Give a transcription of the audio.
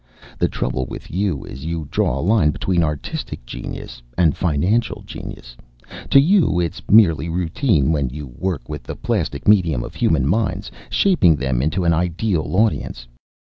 "The trouble with you is you draw a line between artistic genius and financial genius. To you, it's merely routine when you work with the plastic medium of human minds, shaping them into an Ideal Audience.